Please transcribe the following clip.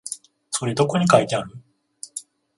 それどこに書いてある？